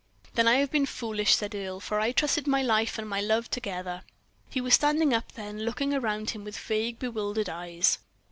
"Then I have been foolish," said Earle, "for I trusted my life and my love together." He was standing up then, looking around him with vague, bewildered eyes.